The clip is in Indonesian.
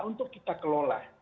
untuk kita kelola